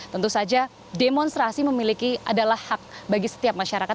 tentu saja demonstrasi memiliki adalah hak bagi setiap masyarakat